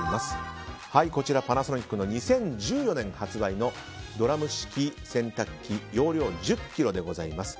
こちら、パナソニックの２０１４年発売のドラム式洗濯機容量１０ｋｇでございます。